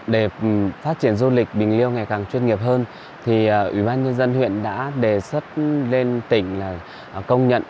để phát triển du lịch bình liêu ngày càng chuyên nghiệp hơn thì ủy ban nhân dân huyện đã đề xuất lên tỉnh là công nhận